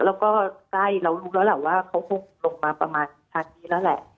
แล้วก็ใกล้เรารู้แล้วแหละว่าเขาคงลงมาประมาณชั้นนี้แล้วแหละ